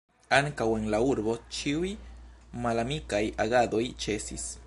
Ankaŭ en la urbo, ĉiuj malamikaj agadoj ĉesis.